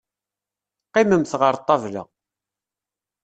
Qqimemt ɣer ṭṭabla.